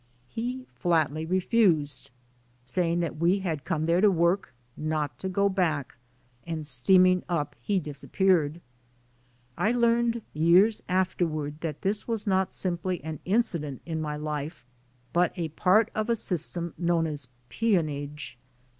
He flatly refused, saying that we had come there to work, not to go back; and steaming up he disappeared. I learned years afterwards that this was not simply an incident in my life, but a part of a system known as "peonage."